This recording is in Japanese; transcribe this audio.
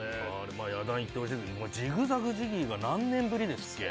まあや団いってほしいもうジグザグジギーが何年ぶりですっけ？